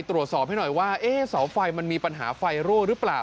ตรวจสอบให้หน่อยว่าเสาไฟมันมีปัญหาไฟรั่วหรือเปล่า